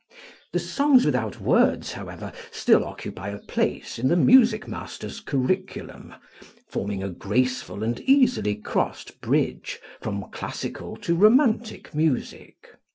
The "Songs Without Words," however, still occupy a place in the music master's curriculum, forming a graceful and easily crossed bridge from classical to romantic music.